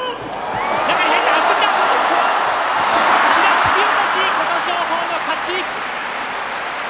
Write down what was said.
突き落とし、琴勝峰の勝ち。